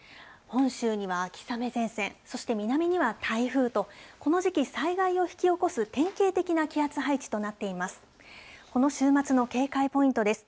本州には秋雨前線、そして南には台風と、この時期災害を引き起こす典型的な気圧配置となっています。